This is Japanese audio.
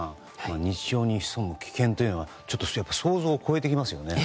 日常に潜む危険は想像を超えてきますよね。